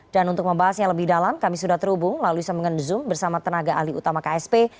dan untuk membahasnya lebih dalam kami sudah terhubung lalu bisa mengen zoom bersama tenaga ahli utama ksp